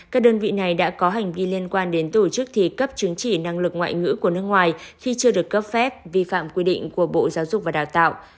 các đơn vị này đã có hành vi liên quan đến tổ chức thi cấp chứng chỉ năng lực ngoại ngữ của nước ngoài khi chưa được cấp phép vi phạm quy định của bộ giáo dục và đào tạo